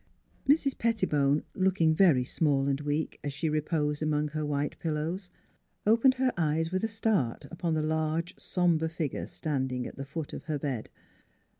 NEIGHBORS 57 Mrs. Pettibone, looking very small and weak, as she reposed among her white pillows, opened her eyes with a start upon the large, somber figure standing at the foot of her bed.